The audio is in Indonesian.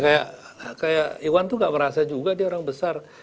kayak iwan tuh gak merasa juga dia orang besar